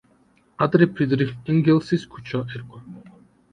ადრე ფრიდრიხ ენგელსის ქუჩა ერქვა.